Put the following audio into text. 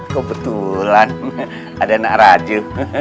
kau betulan ada nak raju